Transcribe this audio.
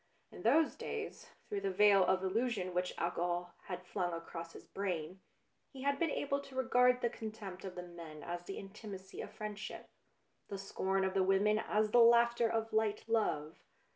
In those days, through the veil of illusion which alcohol had flung across his brain, he had been able to regard the con tempt of the men as the intimacy of friend ship, the scorn of the women as the laughter BLUE BLOOD 239 of light love.